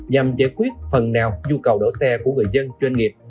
nhằm giải quyết phần nào nhu cầu đổ xe của người dân doanh nghiệp